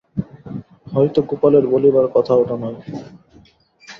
হয়তো গোপালের বলিবার কথা ওটা নয়।